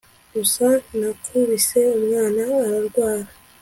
gusa nakubise umwana ararwara